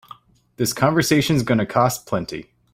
This convention's gonna cost plenty.